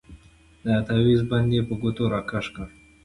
د تاويز بند يې په ګوتو راکښ کړ.